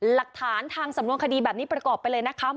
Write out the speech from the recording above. หลักฐานทางสำนวนคดีแบบนี้ประกอบไปเลยนะคะ